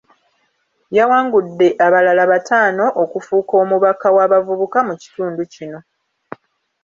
Yawangudde abalala bataano okufuuka omubaka w’abavubuka mu kitundu kino.